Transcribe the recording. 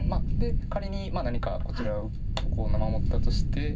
仮に何かこちらをここを守ったとして。